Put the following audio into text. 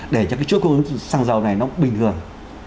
để cho cái chốt cung xăng dầu này nó bình thường